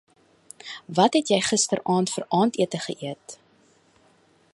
Wat het jy gisteraand vir aandete geëet?